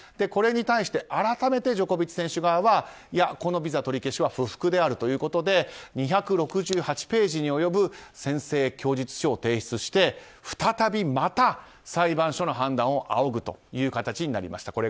これに対して改めてジョコビッチ選手側はこのビザ取り消しは不服であるということで２６８ページに及ぶ宣誓供述書を提出して再びまた裁判所の判断を仰ぐという形になりました。